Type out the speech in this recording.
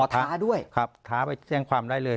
ท้าด้วยครับท้าไปแจ้งความได้เลย